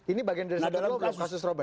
ini bagian dari satu dua kasus robet